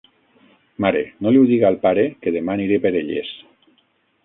Mare, no li ho diga al pare que demà aniré per elles.